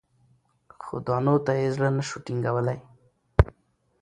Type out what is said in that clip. خو دانو ته یې زړه نه سو ټینګولای